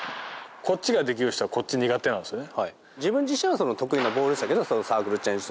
こっちができる人はこっち苦手なんですよね。